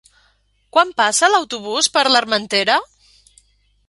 Quan passa l'autobús per l'Armentera?